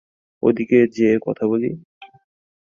ওদিকে যেয়ে কথা বলি?